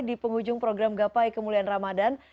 di penghujung program gapai kemuliaan ramadan